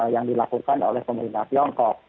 yang dilakukan oleh pemerintah tiongkok